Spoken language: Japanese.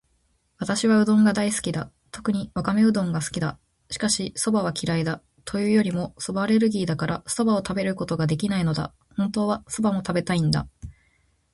私はうどんが大好きだ。特にわかめうどんが好きだ。しかし、蕎麦は嫌いだ。というよりも蕎麦アレルギーだから、蕎麦を食べることができないのだ。本当は蕎麦も食べたいんだ。